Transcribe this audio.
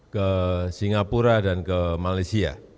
ke singapura dan ke malaysia